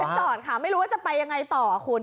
จอดค่ะไม่รู้ว่าจะไปยังไงต่อคุณ